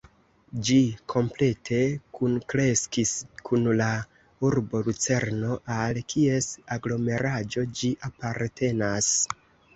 Ĝi komplete kunkreskis kun la urbo Lucerno, al kies aglomeraĵo ĝi apartenas.